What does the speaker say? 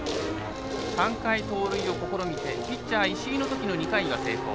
３回、盗塁を試みてピッチャー石井の２回は成功。